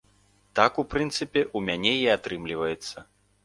Так, у прынцыпе, у мяне і атрымліваецца.